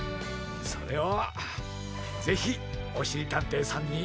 それはぜひおしりたんていさんに。